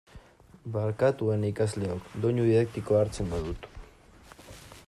Barkatu, ene ikasleok, doinu didaktikoa hartzen badut.